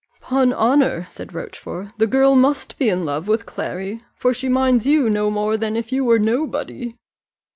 "'Pon honour," said Rochfort, "the girl must be in love with Clary, for she minds you no more than if you were nobody."